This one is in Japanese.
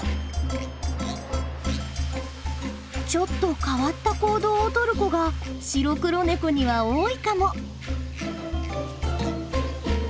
ちょっと変わった行動をとる子が白黒ネコには多いかも！？